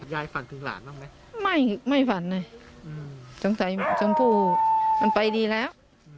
ยายฝันถึงหลานหรือไม่ไม่ฝันเลยจงพูดว่ามันไปดีแล้ว